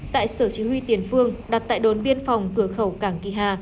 tại sở chỉ huy tiền phương đặt tại đồn biên phòng cửa khẩu cảng kỳ hà